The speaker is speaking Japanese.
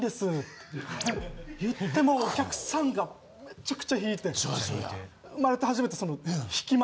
言ってもうお客さんがめちゃくちゃ引いて。